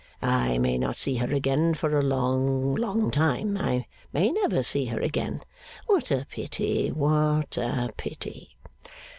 I may not see her again for a long, long time. I may never see her again. What a pity, what a pity!